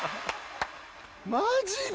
マジで！？